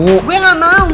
gue gak mau